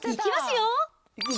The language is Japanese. いきますよ。